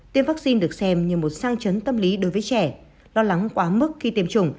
tiêm vaccine được xem như một sang chấn tâm lý đối với trẻ lo lắng quá mức khi tiêm chủng